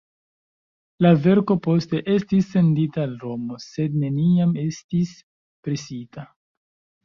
La verko poste estis sendita al Romo, sed neniam estis presita.